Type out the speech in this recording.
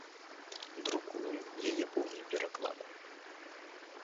Друкуем яе поўны пераклад.